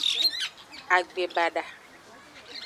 Agbebada.